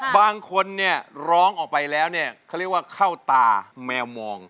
บางคนเนี่ยร้องออกไปแล้วเนี่ยเขาเรียกว่าเข้าตาแมวมอง